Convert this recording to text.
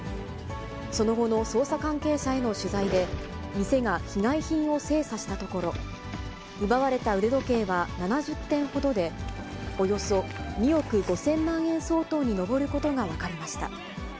その後の捜査関係者への取材で、店が被害品を精査したところ、奪われた腕時計は７０点ほどで、およそ２億５０００万円相当に上ることが分かりました。